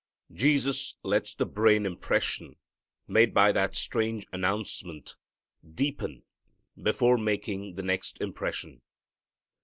Jesus lets the brain impression made by that strange announcement deepen before making the next impression.